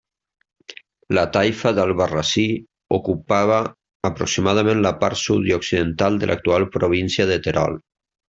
La taifa d'Albarrasí ocupava aproximadament la part sud i occidental de l'actual província de Terol.